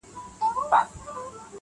اوس دېوالونه هم غوږونه لري -